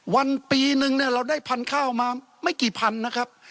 วันปีนึงเนี่ยเราได้พันธุ์ข้าวมาไม่กี่พันนะครับ